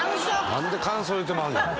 何で感想言うてまうねん。